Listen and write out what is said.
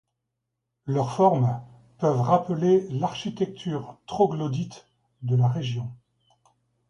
Leurs formes peuvent rappeler l'architecture troglodyte de la région.